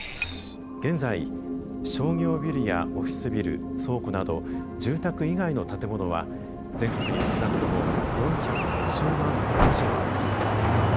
現在、商業ビルやオフィスビル倉庫など住宅以外の建物は全国に少なくとも４５０万棟以上あります。